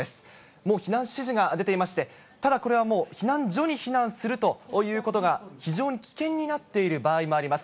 もう避難指示が出ていまして、ただこれはもう、避難所に避難するということが非常に危険になっている場合もあります。